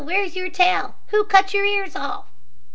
Where's your tail? Who cut your ears off?"